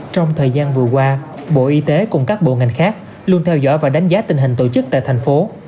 trong thời gian vừa qua bộ y tế cùng các bộ ngành khác luôn theo dõi và đánh giá tình hình tổ chức tại thành phố